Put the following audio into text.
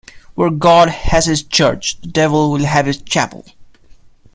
Where God has his church, the devil will have his chapel.